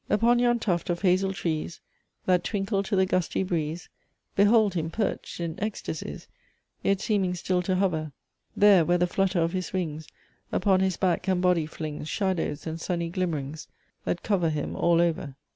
"Upon yon tuft of hazel trees, That twinkle to the gusty breeze, Behold him perched in ecstasies, Yet seeming still to hover; There! where the flutter of his wings Upon his back and body flings Shadows and sunny glimmerings, That cover him all over.